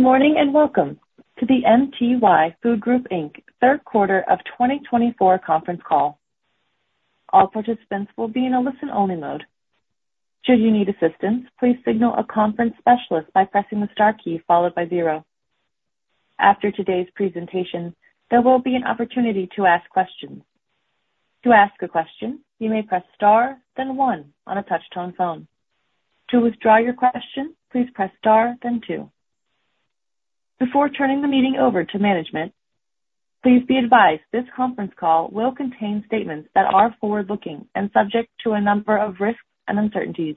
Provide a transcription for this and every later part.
Good morning, and welcome to the MTY Food Group Inc. third quarter of twenty twenty-four conference call. All participants will be in a listen-only mode. Should you need assistance, please signal a conference specialist by pressing the star key followed by zero. After today's presentation, there will be an opportunity to ask questions. To ask a question, you may press star, then one on a touch-tone phone. To withdraw your question, please press star, then two. Before turning the meeting over to management, please be advised this conference call will contain statements that are forward-looking and subject to a number of risks and uncertainties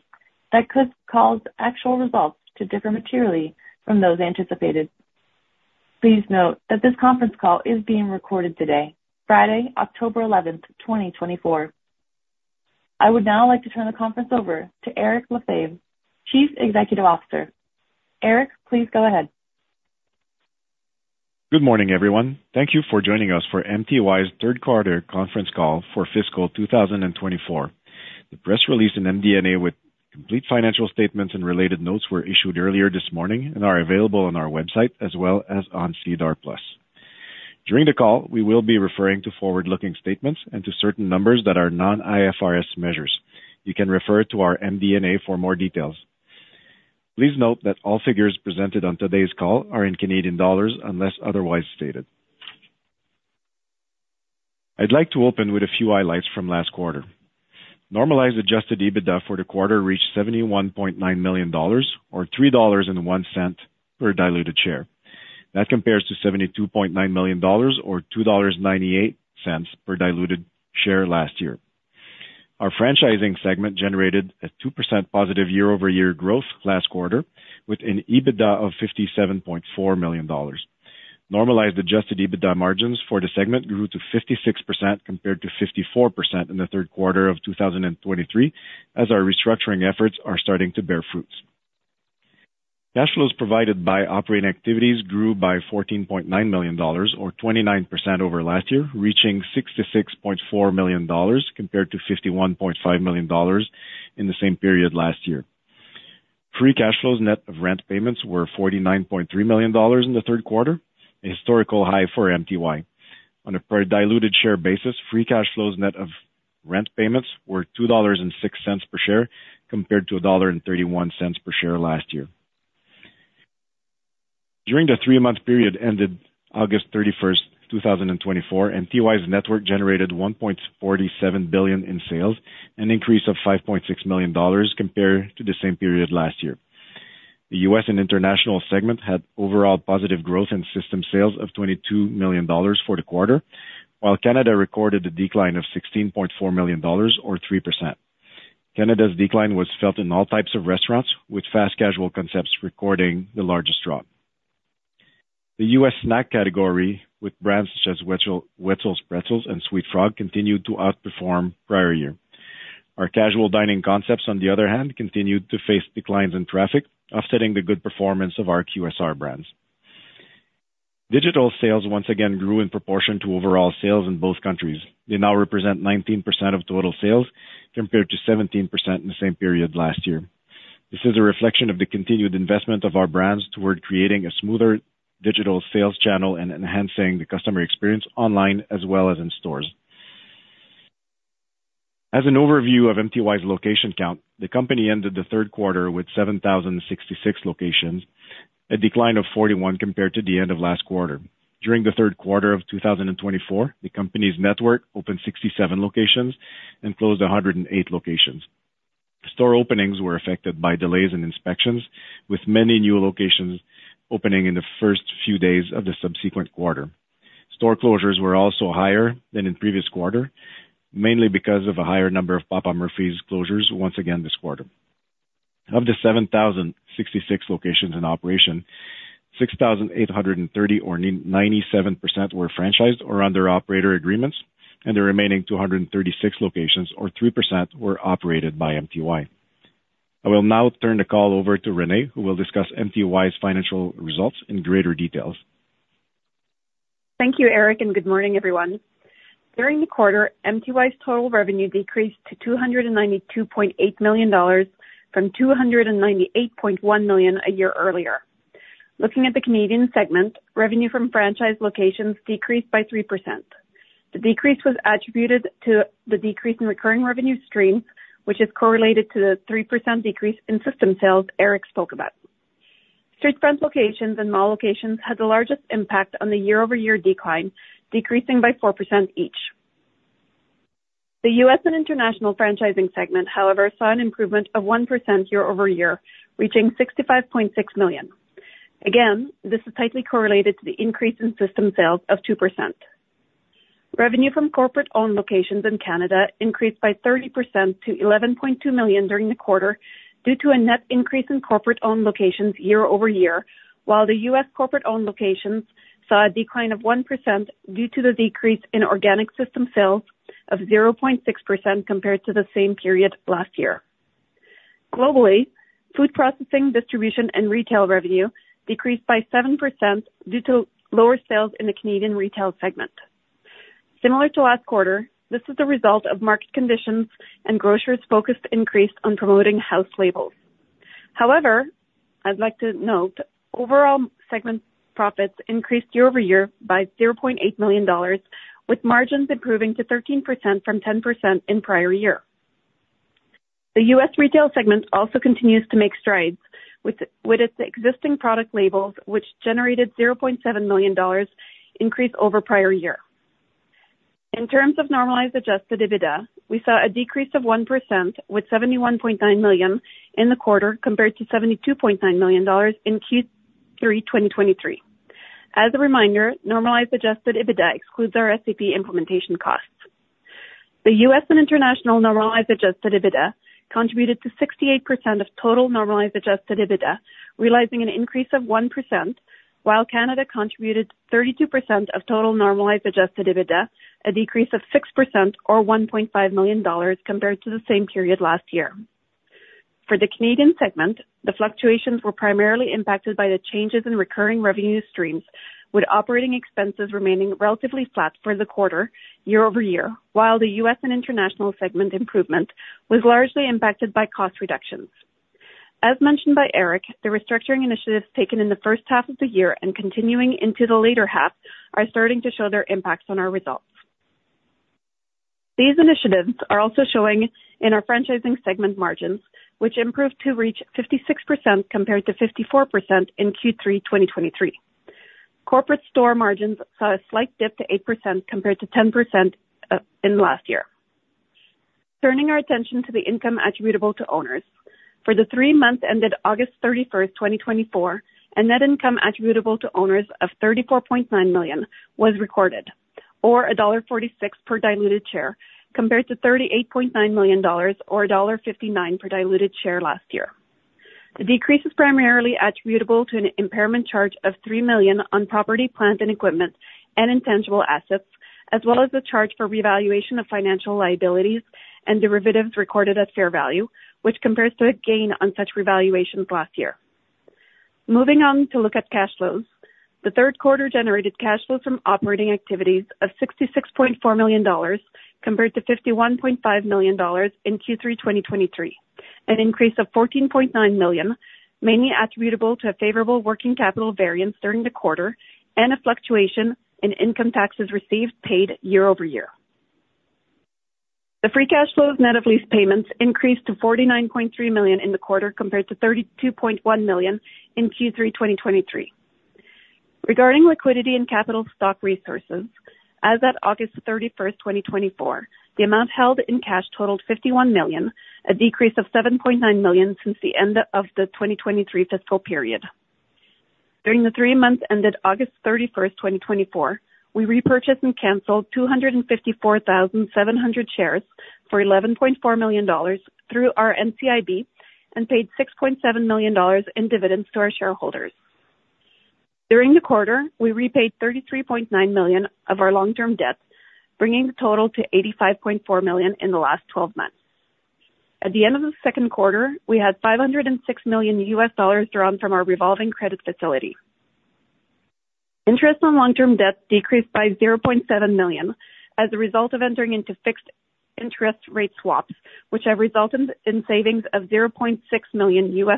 that could cause actual results to differ materially from those anticipated. Please note that this conference call is being recorded today, Friday, October eleventh, twenty twenty-four. I would now like to turn the conference over to Eric Lefebvre, Chief Executive Officer. Eric, please go ahead. Good morning, everyone. Thank you for joining us for MTY's third quarter conference call for fiscal 2024. The press release in MD&A with complete financial statements and related notes were issued earlier this morning and are available on our website as well as on SEDAR+. During the call, we will be referring to forward-looking statements and to certain numbers that are non-IFRS measures. You can refer to our MD&A for more details. Please note that all figures presented on today's call are in Canadian dollars, unless otherwise stated. I'd like to open with a few highlights from last quarter. Normalized adjusted EBITDA for the quarter reached CAD 71.9 million, or CAD 3.01 per diluted share. That compares to CAD 72.9 million or CAD 2.98 per diluted share last year. Our franchising segment generated a 2% positive year-over-year growth last quarter, with an EBITDA of 57.4 million dollars. Normalized adjusted EBITDA margins for the segment grew to 56%, compared to 54% in the third quarter of 2023, as our restructuring efforts are starting to bear fruits. Cash flows provided by operating activities grew by 14.9 million dollars or 29% over last year, reaching 66.4 million dollars, compared to 51.5 million dollars in the same period last year. Free cash flows, net of rent payments, were 49.3 million dollars in the third quarter, a historical high for MTY. On a per diluted share basis, free cash flows, net of rent payments, were 2.06 dollars per share, compared to 1.31 dollar per share last year. During the three-month period ended August thirty-first, 2024, MTY's network generated 1.47 billion in sales, an increase of 5.6 million dollars compared to the same period last year. The U.S. and international segment had overall positive growth in system sales of 22 million dollars for the quarter, while Canada recorded a decline of 16.4 million dollars or 3%. Canada's decline was felt in all types of restaurants, with fast casual concepts recording the largest drop. The U.S. snack category, with brands such as Wetzel's Pretzels and SweetFrog, continued to outperform prior year. Our casual dining concepts, on the other hand, continued to face declines in traffic, offsetting the good performance of our QSR brands. Digital sales once again grew in proportion to overall sales in both countries. They now represent 19% of total sales, compared to 17% in the same period last year. This is a reflection of the continued investment of our brands toward creating a smoother digital sales channel and enhancing the customer experience online as well as in stores. As an overview of MTY's location count, the company ended the third quarter with 7,006 locations, a decline of 41 compared to the end of last quarter. During the third quarter of 2024, the company's network opened 67 locations and closed 108 locations. Store openings were affected by delays in inspections, with many new locations opening in the first few days of the subsequent quarter. Store closures were also higher than in previous quarter, mainly because of a higher number of Papa Murphy's closures once again this quarter. Of the 7,006 locations in operation, 6,830, or 97%, were franchised or under operator agreements, and the remaining 236 locations, or 3%, were operated by MTY. I will now turn the call over to Renée, who will discuss MTY's financial results in greater details. Thank you, Eric, and good morning, everyone. During the quarter, MTY's total revenue decreased to 292.8 million dollars from 298.1 million a year earlier. Looking at the Canadian segment, revenue from franchise locations decreased by 3%. The decrease was attributed to the decrease in recurring revenue stream, which is correlated to the 3% decrease in system sales Eric spoke about. street Front locations and mall locations had the largest impact on the year-over-year decline, decreasing by 4% each. The U.S. and international franchising segment, however, saw an improvement of 1% year over year, reaching 65.6 million. Again, this is tightly correlated to the increase in system sales of 2%. Revenue from corporate-owned locations in Canada increased by 30% to 11.2 million during the quarter due to a net increase in corporate-owned locations year over year, while the U.S. corporate-owned locations saw a decline of 1% due to the decrease in organic system sales of 0.6% compared to the same period last year. Globally, food processing, distribution, and retail revenue decreased by 7% due to lower sales in the Canadian retail segment. Similar to last quarter, this is the result of market conditions and grocers' focused increase on promoting house labels. However, I'd like to note, overall segment profits increased year over year by 0.8 million dollars, with margins improving to 13% from 10% in prior year. The U.S. retail segment also continues to make strides with its existing product labels, which generated 0.7 million dollars increase over prior year. In terms of normalized adjusted EBITDA, we saw a decrease of 1% with 71.9 million in the quarter, compared to 72.9 million dollars in Q3 2023. As a reminder, normalized adjusted EBITDA excludes our SAP implementation costs. The U.S. and international normalized adjusted EBITDA contributed to 68% of total normalized adjusted EBITDA, realizing an increase of 1%, while Canada contributed 32% of total normalized adjusted EBITDA, a decrease of 6% or 1.5 million dollars compared to the same period last year. For the Canadian segment, the fluctuations were primarily impacted by the changes in recurring revenue streams, with operating expenses remaining relatively flat for the quarter year over year, while the U.S. and international segment improvement was largely impacted by cost reductions. As mentioned by Eric, the restructuring initiatives taken in the first half of the year and continuing into the later half, are starting to show their impacts on our results. These initiatives are also showing in our franchising segment margins, which improved to reach 56% compared to 54% in Q3 2023. Corporate store margins saw a slight dip to 8% compared to 10% in last year. Turning our attention to the income attributable to owners. For the three months ended August thirty-first, 2024, a net income attributable to owners of 34.9 million was recorded, or dollar 1.46 per diluted share, compared to 38.9 million dollars, or dollar 1.59 per diluted share last year. The decrease is primarily attributable to an impairment charge of 3 million on property, plant, and equipment and intangible assets, as well as the charge for revaluation of financial liabilities and derivatives recorded at fair value, which compares to a gain on such revaluations last year. Moving on to look at cash flows. The third quarter generated cash flows from operating activities of 66.4 million dollars, compared to 51.5 million dollars in Q3 2023, an increase of 14.9 million, mainly attributable to a favorable working capital variance during the quarter and a fluctuation in income taxes received paid year over year. The free cash flows net of lease payments increased to 49.3 million in the quarter, compared to 32.1 million in Q3 2023. Regarding liquidity and capital stock resources, as at August 31, 2024, the amount held in cash totaled 51 million, a decrease of 7.9 million since the end of the 2023 fiscal period. During the three months ended August 31, 2024, we repurchased and canceled 254,700 shares for 11.4 million dollars through our NCIB and paid 6.7 million dollars in dividends to our shareholders. During the quarter, we repaid 33.9 million of our long-term debt, bringing the total to 85.4 million in the last twelve months. At the end of the second quarter, we had $506 million drawn from our revolving credit facility. Interest on long-term debt decreased by 0.7 million as a result of entering into fixed interest rate swaps, which have resulted in savings of $0.6 million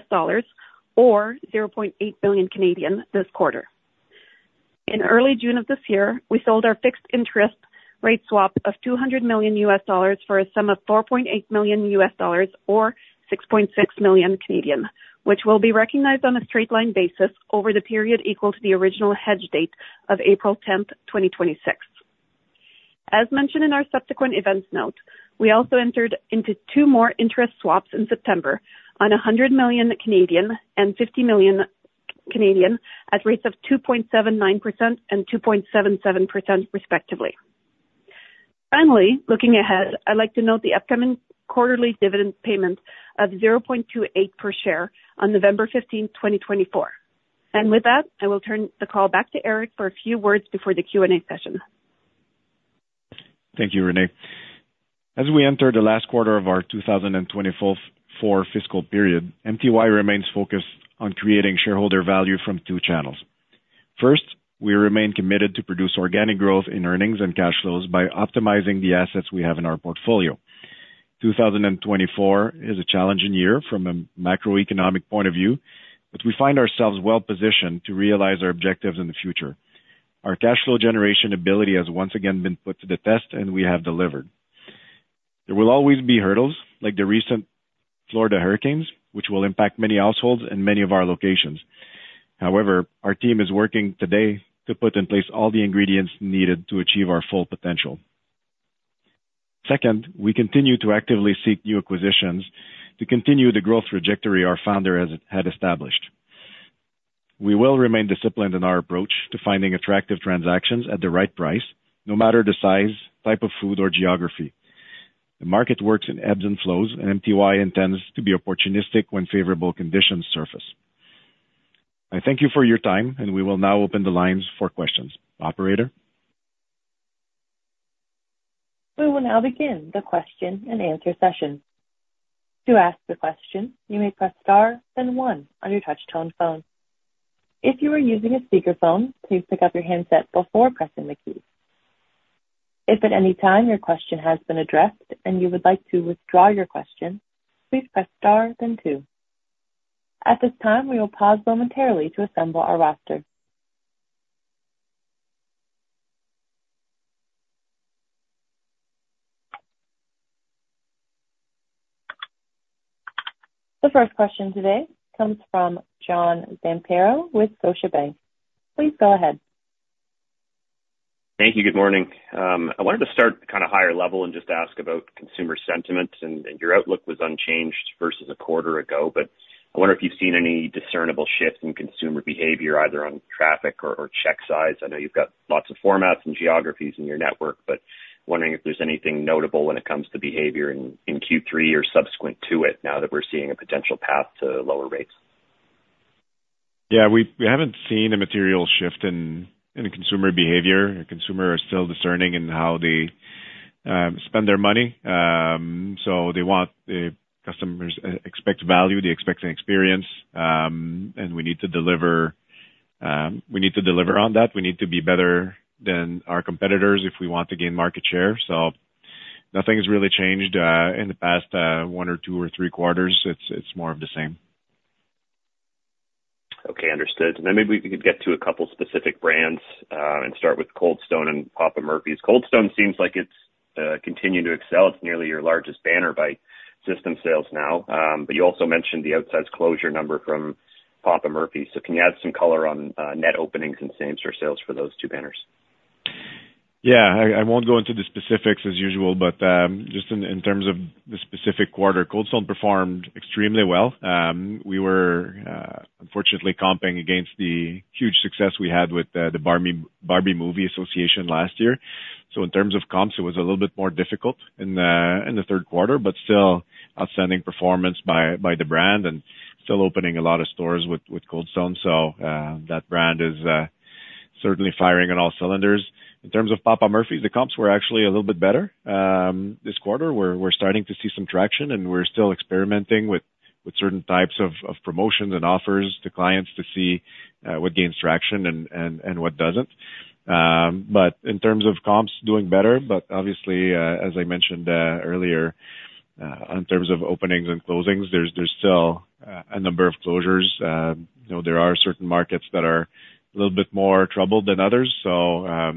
or 0.8 billion this quarter. In early June of this year, we sold our fixed interest rate swap of $200 million for a sum of $4.8 million or 6.6 million Canadian dollars, which will be recognized on a straight line basis over the period equal to the original hedge date of April tenth, 2026. As mentioned in our subsequent events note, we also entered into two more interest swaps in September on 100 million and 50 million at rates of 2.79% and 2.77% respectively. Finally, looking ahead, I'd like to note the upcoming quarterly dividend payment of 0.28 per share on November fifteenth, 2024. And with that, I will turn the call back to Eric for a few words before the Q&A session. Thank you, Renée. As we enter the last quarter of our two thousand and twenty-four fiscal period, MTY remains focused on creating shareholder value from two channels. First, we remain committed to produce organic growth in earnings and cash flows by optimizing the assets we have in our portfolio. Two thousand and twenty-four is a challenging year from a macroeconomic point of view, but we find ourselves well positioned to realize our objectives in the future. Our cash flow generation ability has once again been put to the test, and we have delivered. There will always be hurdles, like the recent Florida hurricanes, which will impact many households and many of our locations. However, our team is working today to put in place all the ingredients needed to achieve our full potential. Second, we continue to actively seek new acquisitions to continue the growth trajectory our founder has had established. We will remain disciplined in our approach to finding attractive transactions at the right price, no matter the size, type of food or geography. The market works in ebbs and flows, and MTY intends to be opportunistic when favorable conditions surface. I thank you for your time, and we will now open the lines for questions. Operator? We will now begin the question and answer session. To ask the question, you may press star, then one on your touchtone phone. If you are using a speakerphone, please pick up your handset before pressing the key. If at any time your question has been addressed and you would like to withdraw your question, please press star then two. At this time, we will pause momentarily to assemble our roster. The first question today comes from John Zamparo with Scotiabank. Please go ahead. Thank you. Good morning. I wanted to start kind of higher level and just ask about consumer sentiment, and your outlook was unchanged versus a quarter ago, but I wonder if you've seen any discernible shifts in consumer behavior, either on traffic or check size. I know you've got lots of formats and geographies in your network, but wondering if there's anything notable when it comes to behavior in Q3 or subsequent to it, now that we're seeing a potential path to lower rates. Yeah, we haven't seen a material shift in consumer behavior. The consumer is still discerning in how they spend their money. So they want... The customers expect value, they expect an experience, and we need to deliver, we need to deliver on that. We need to be better than our competitors if we want to gain market share. So nothing has really changed in the past one or two or three quarters. It's more of the same. Okay, understood. And then maybe we could get to a couple specific brands, and start with Cold Stone and Papa Murphy's. Cold Stone seems like it's continuing to excel. It's nearly your largest banner by system sales now. But you also mentioned the outsize closure number from Papa Murphy's. So can you add some color on net openings and same store sales for those two banners? Yeah, I won't go into the specifics as usual, but just in terms of the specific quarter, Cold Stone performed extremely well. We were unfortunately comping against the huge success we had with the Barbie movie association last year. So in terms of comps, it was a little bit more difficult in the third quarter, but still outstanding performance by the brand and still opening a lot of stores with Cold Stone. So that brand is certainly firing on all cylinders. In terms of Papa Murphy's, the comps were actually a little bit better. This quarter, we're starting to see some traction, and we're still experimenting with certain types of promotions and offers to clients to see what gains traction and what doesn't. But in terms of comps, doing better, but obviously, as I mentioned earlier, in terms of openings and closings, there's still a number of closures. You know, there are certain markets that are a little bit more troubled than others. So,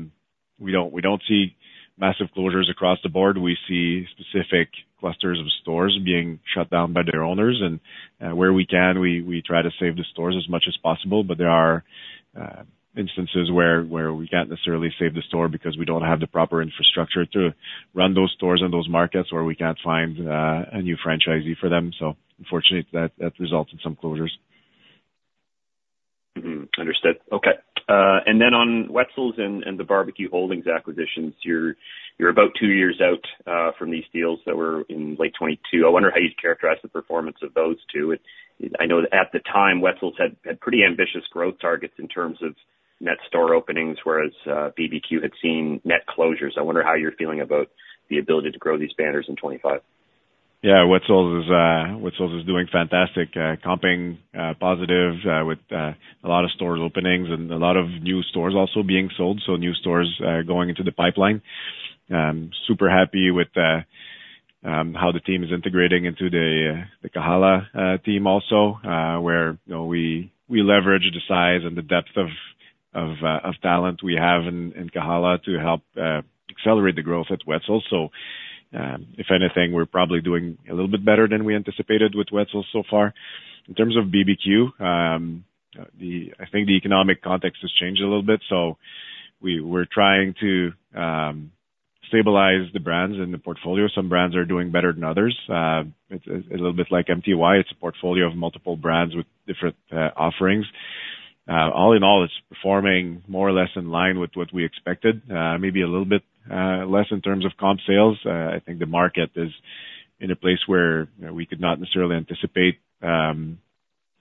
we don't see massive closures across the board. We see specific clusters of stores being shut down by their owners, and, where we can, we try to save the stores as much as possible. But there are instances where we can't necessarily save the store because we don't have the proper infrastructure to run those stores in those markets, or we can't find a new franchisee for them. So unfortunately, that results in some closures. Mm-hmm. Understood. Okay, and then on Wetzel's and the BBQ Holdings acquisitions, you're about two years out from these deals that were in late twenty-two. I wonder how you'd characterize the performance of those two. I know at the time, Wetzel's had pretty ambitious growth targets in terms of net store openings, whereas BBQ had seen net closures. I wonder how you're feeling about the ability to grow these banners in twenty-five. Yeah, Wetzel's is doing fantastic. Comping positive with a lot of stores openings and a lot of new stores also being sold, so new stores going into the pipeline. Super happy with how the team is integrating into the Kahala team also, where, you know, we leverage the size and the depth of talent we have in Kahala to help accelerate the growth at Wetzel's. So, if anything, we're probably doing a little bit better than we anticipated with Wetzel's so far. In terms of BBQ, the... I think the economic context has changed a little bit, so we're trying to stabilize the brands in the portfolio. Some brands are doing better than others. It's a little bit like MTY. It's a portfolio of multiple brands with different offerings. All in all, it's performing more or less in line with what we expected, maybe a little bit less in terms of comp sales. I think the market is in a place where, you know, we could not necessarily anticipate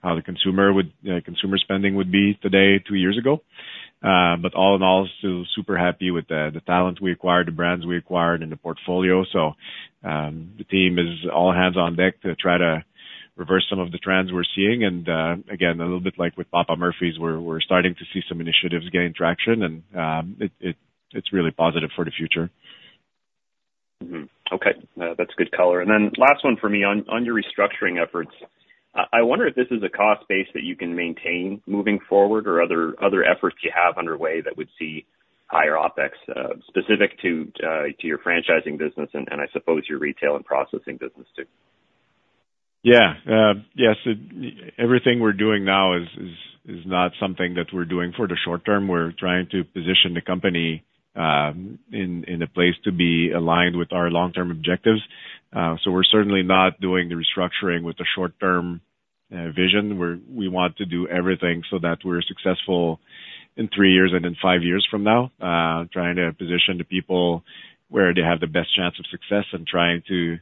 how the consumer would, you know, consumer spending would be today, two years ago. But all in all, still super happy with the talent we acquired, the brands we acquired in the portfolio. The team is all hands on deck to try to reverse some of the trends we're seeing. And again, a little bit like with Papa Murphy's, we're starting to see some initiatives gain traction, and it's really positive for the future. Mm-hmm. Okay. That's good color, and then last one for me. On your restructuring efforts, I wonder if this is a cost base that you can maintain moving forward or other efforts you have underway that would see higher OpEx specific to your franchising business, and I suppose your retail and processing business too. Yeah. Yes, everything we're doing now is not something that we're doing for the short term. We're trying to position the company in a place to be aligned with our long-term objectives. So we're certainly not doing the restructuring with the short term vision. We want to do everything so that we're successful in three years and in five years from now. Trying to position the people where they have the best chance of success and trying to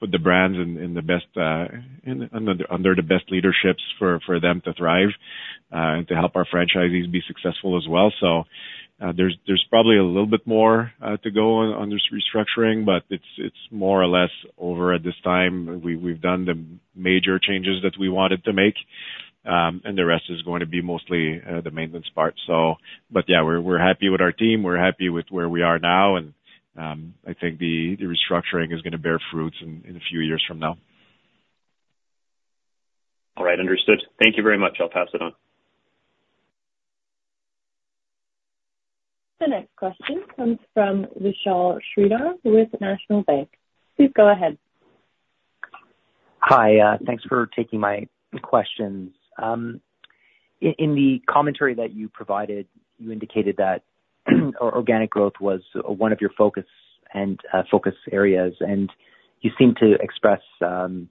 put the brands in the best under the best leaderships for them to thrive... and to help our franchisees be successful as well. So there's probably a little bit more to go on this restructuring, but it's more or less over at this time. We, we've done the major changes that we wanted to make, and the rest is going to be mostly the maintenance part. So but yeah, we're happy with our team. We're happy with where we are now, and I think the restructuring is gonna bear fruits in a few years from now. All right, understood. Thank you very much. I'll pass it on. The next question comes from Vishal Shreedhar with National Bank. Please go ahead. Hi, thanks for taking my questions. In the commentary that you provided, you indicated that organic growth was one of your focus areas, and you seem to express some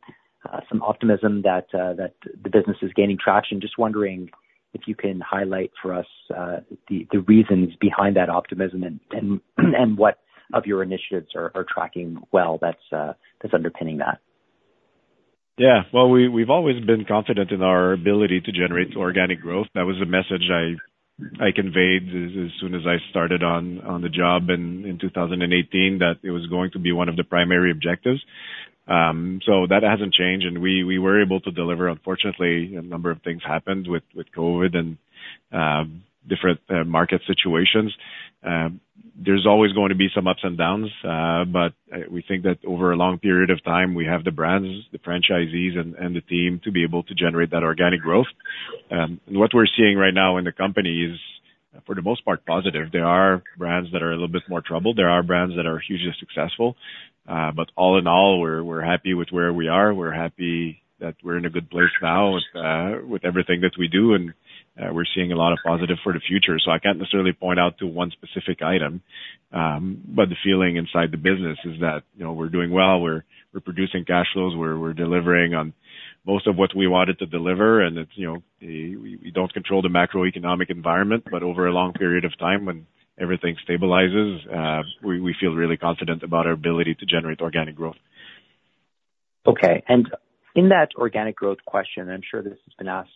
optimism that the business is gaining traction. Just wondering if you can highlight for us the reasons behind that optimism and what of your initiatives are tracking well that's underpinning that? Yeah, well, we've always been confident in our ability to generate organic growth. That was a message I conveyed as soon as I started on the job in two thousand and eighteen, that it was going to be one of the primary objectives, so that hasn't changed, and we were able to deliver. Unfortunately, a number of things happened with COVID and different market situations. There's always going to be some ups and downs, but we think that over a long period of time, we have the brands, the franchisees and the team to be able to generate that organic growth. What we're seeing right now in the company is, for the most part, positive. There are brands that are a little bit more troubled. There are brands that are hugely successful. But all in all, we're happy with where we are. We're happy that we're in a good place now with everything that we do, and we're seeing a lot of positive for the future. So I can't necessarily point out to one specific item, but the feeling inside the business is that, you know, we're doing well, we're producing cash flows, we're delivering on most of what we wanted to deliver, and it's, you know, we don't control the macroeconomic environment, but over a long period of time, when everything stabilizes, we feel really confident about our ability to generate organic growth. Okay. And in that organic growth question, I'm sure this has been asked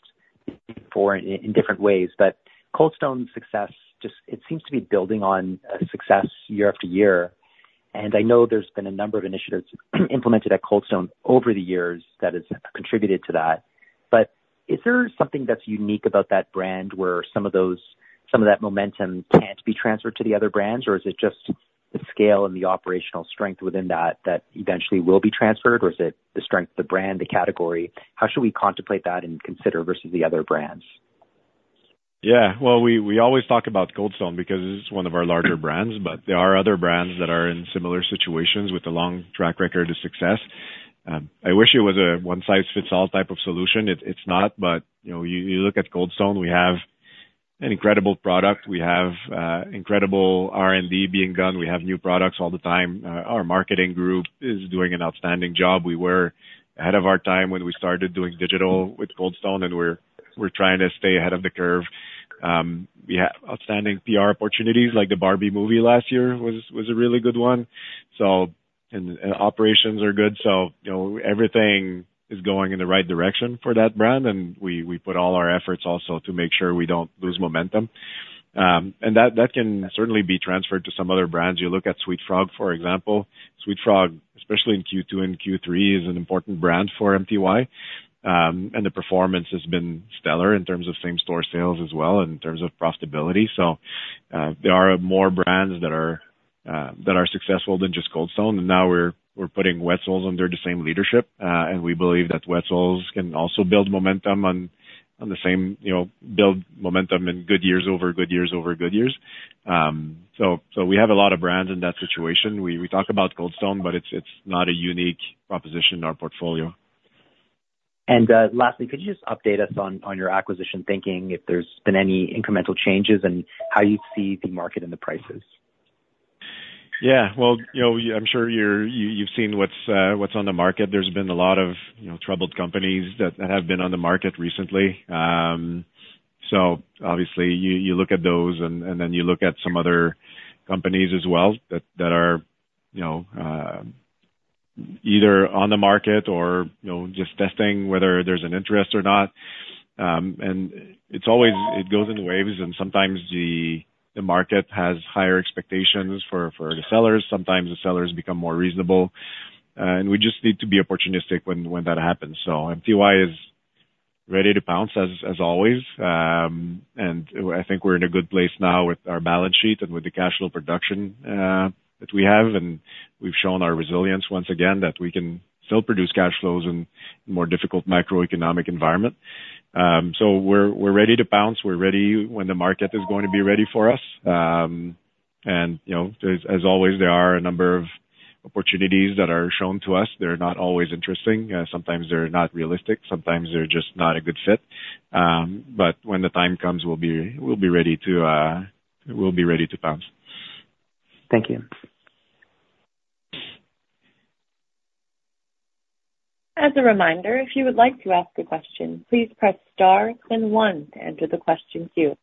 before in different ways, but Cold Stone's success, just it seems to be building on a success year after year. And I know there's been a number of initiatives implemented at Cold Stone over the years that has contributed to that. But is there something that's unique about that brand, where some of that momentum can't be transferred to the other brands? Or is it just the scale and the operational strength within that, that eventually will be transferred, or is it the strength, the brand, the category? How should we contemplate that and consider versus the other brands? Yeah. Well, we always talk about Cold Stone because it's one of our larger brands, but there are other brands that are in similar situations with a long track record of success. I wish it was a one-size-fits-all type of solution. It's not, but you know, you look at Cold Stone. We have an incredible product. We have incredible R&D being done. We have new products all the time. Our marketing group is doing an outstanding job. We were ahead of our time when we started doing digital with Cold Stone, and we're trying to stay ahead of the curve. We have outstanding PR opportunities, like the Barbie movie last year was a really good one. Operations are good, so you know, everything is going in the right direction for that brand, and we put all our efforts also to make sure we don't lose momentum. That can certainly be transferred to some other brands. You look at SweetFrog, for example. SweetFrog, especially in Q2 and Q3, is an important brand for MTY, and the performance has been stellar in terms of same store sales as well, and in terms of profitability. There are more brands that are successful than just Cold Stone, and now we're putting Wetzel's under the same leadership, and we believe that Wetzel's can also build momentum on the same, you know, build momentum in good years, over good years, over good years. We have a lot of brands in that situation. We talk about Cold Stone, but it's not a unique proposition in our portfolio. Lastly, could you just update us on your acquisition thinking if there's been any incremental changes and how you see the market and the prices? Yeah. Well, you know, I'm sure you're, you've seen what's on the market. There's been a lot of, you know, troubled companies that have been on the market recently. So obviously, you look at those and then you look at some other companies as well that are, you know, either on the market or, you know, just testing whether there's an interest or not. And it's always, it goes in waves, and sometimes the market has higher expectations for the sellers, sometimes the sellers become more reasonable. And we just need to be opportunistic when that happens. So MTY is ready to pounce as always. And I think we're in a good place now with our balance sheet and with the cash flow production that we have, and we've shown our resilience once again that we can still produce cash flows in a more difficult macroeconomic environment. So we're ready to pounce. We're ready when the market is going to be ready for us. And, you know, as always, there are a number of opportunities that are shown to us. They're not always interesting. Sometimes they're not realistic, sometimes they're just not a good fit. But when the time comes, we'll be ready to pounce. Thank you. As a reminder, if you would like to ask a question, please press star then one to enter the question queue.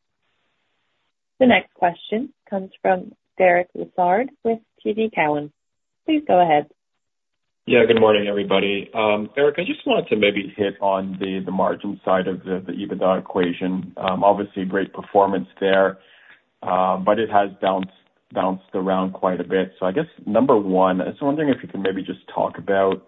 The next question comes from Derek Lessard with TD Cowen. Please go ahead. Yeah, good morning, everybody. Eric, I just wanted to maybe hit on the margin side of the EBITDA equation. Obviously, great performance there, but it has bounced around quite a bit. So I guess number one, I was wondering if you could maybe just talk about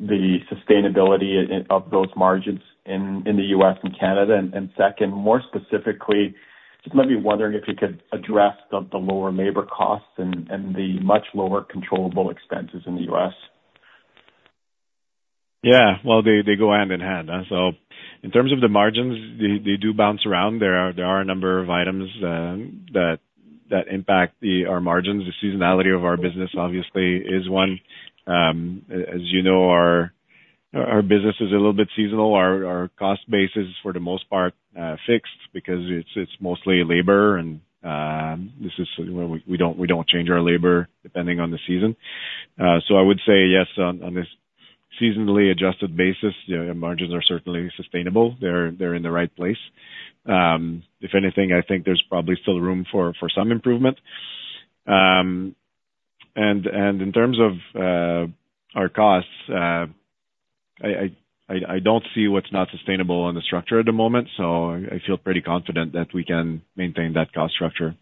the sustainability of those margins in the U.S. and Canada. And second, more specifically, just maybe wondering if you could address the lower labor costs and the much lower controllable expenses in the U.S. Yeah. Well, they go hand in hand. So in terms of the margins, they do bounce around. There are a number of items that impact our margins. The seasonality of our business obviously is one. As you know, our business is a little bit seasonal. Our cost base is, for the most part, fixed because it's mostly labor and, you know, we don't change our labor depending on the season. So I would say yes, on a seasonally adjusted basis, yeah, our margins are certainly sustainable. They're in the right place. If anything, I think there's probably still room for some improvement. In terms of our costs, I don't see what's not sustainable in the structure at the moment, so I feel pretty confident that we can maintain that cost structure.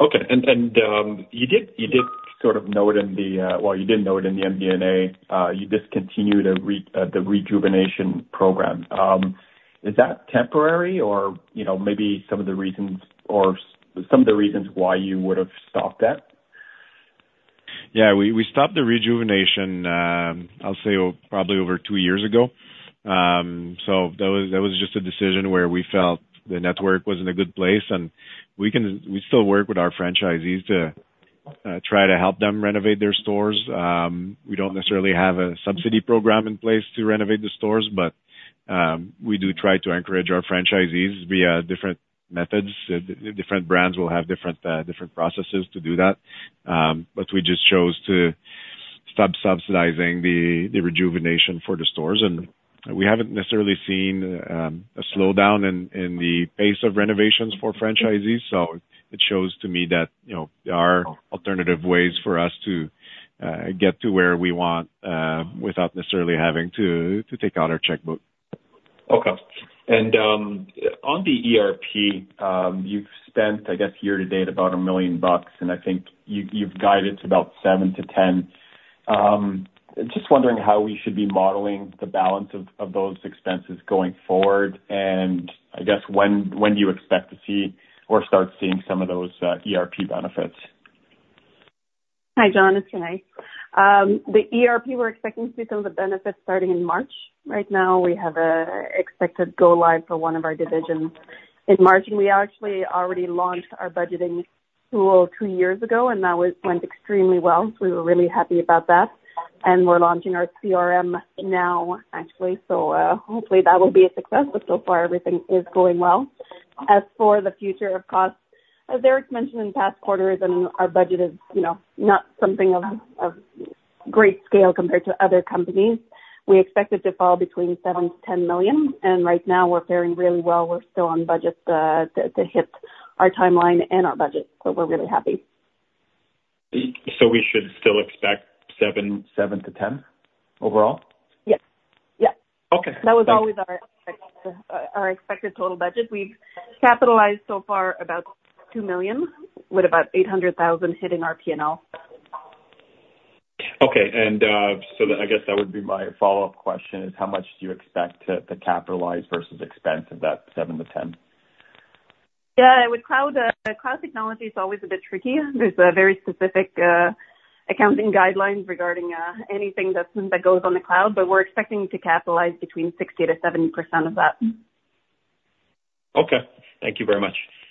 Okay. And you did sort of note in the MD&A, you discontinued the rejuvenation program. Is that temporary or, you know, maybe some of the reasons why you would have stopped that? Yeah, we stopped the rejuvenation, I'll say probably over two years ago. So that was just a decision where we felt the network was in a good place, and we still work with our franchisees to try to help them renovate their stores. We don't necessarily have a subsidy program in place to renovate the stores, but we do try to encourage our franchisees via different methods. Different brands will have different processes to do that. But we just chose to stop subsidizing the rejuvenation for the stores, and we haven't necessarily seen a slowdown in the pace of renovations for franchisees. So it shows to me that, you know, there are alternative ways for us to get to where we want without necessarily having to take out our checkbook. Okay. And on the ERP, you've spent, I guess, year to date, about 1 million bucks, and I think you've guided to about 7 million-10 million. Just wondering how we should be modeling the balance of those expenses going forward, and I guess when do you expect to see or start seeing some of those ERP benefits? Hi, John, it's Renée. The ERP, we're expecting to see some of the benefits starting in March. Right now, we have a expected go live for one of our divisions in March, and we actually already launched our budgeting tool two years ago, and that went extremely well, so we were really happy about that. And we're launching our CRM now, actually. So, hopefully, that will be a success, but so far everything is going well. As for the future of costs, as Eric mentioned in past quarters, and our budget is, you know, not something of great scale compared to other companies, we expect it to fall between 7-10 million, and right now we're faring really well. We're still on budget to hit our timeline and our budget, so we're really happy. We should still expect seven to 10 overall? Yes. Yeah. Okay. That was always our expected total budget. We've capitalized so far about 2 million, with about 800,000 hitting our P&L. Okay. So, I guess that would be my follow-up question: how much do you expect to capitalize versus expense of that seven to ten? Yeah, with cloud, cloud technology, it's always a bit tricky. There's a very specific, accounting guidelines regarding, anything that goes on the cloud, but we're expecting to capitalize between 60% to 70% of that. Okay. Thank you very much.